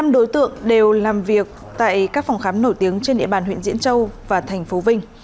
năm đối tượng đều làm việc tại các phòng khám nổi tiếng trên địa bàn huyện diễn châu và thành phố vinh